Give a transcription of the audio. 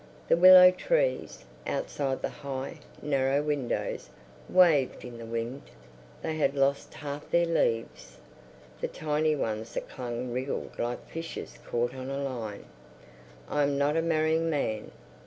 The willow trees, outside the high, narrow windows, waved in the wind. They had lost half their leaves. The tiny ones that clung wriggled like fishes caught on a line. "... I am not a marrying man...."